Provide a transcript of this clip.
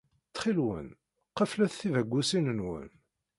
Ttxil-wen, qeflet tibagusin-nwen.